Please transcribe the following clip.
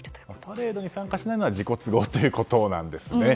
パレードに参加しないのは自己都合ということなんですね。